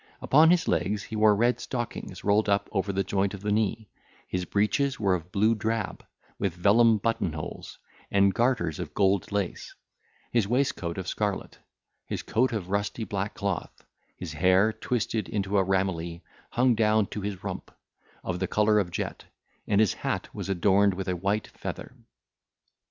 Upon his legs he wore red stockings rolled up over the joint of the knee, his breeches were of blue drab, with vellum button holes, and garters of gold lace, his waistcoat of scarlet, his coat of rusty black cloth, his hair, twisted into a ramilie, hung down to his rump, of the colour of jet, and his hat was adorned with a white feather.